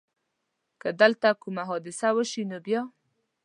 که دلته کومه حادثه وشي نو بیا؟